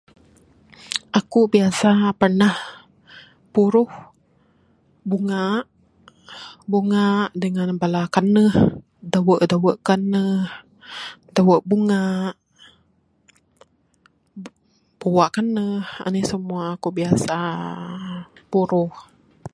Akuk biasa pernah puruh bungak. Bungak dengan bala kanuh, dawu' dawu' kanuh, dawu' bungak, buak kanuh. Anih semua kuk biasa puruh.